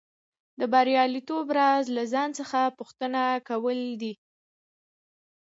د بریالیتوب راز له ځان څخه پوښتنه کول دي